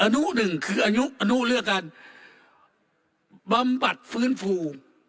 นุหนึ่งคืออายุอนุเรื่องการบำบัดฟื้นฟู